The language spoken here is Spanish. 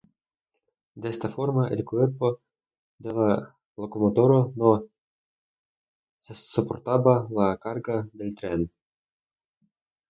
De esta forma el cuerpo de la locomotora no soportaba la carga del tren.